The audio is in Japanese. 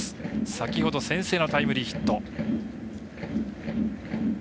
先ほど先制のタイムリーヒット。